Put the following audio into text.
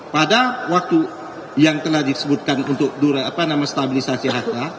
pada waktu yang telah disebutkan untuk durasi apa nama stabilisasi harga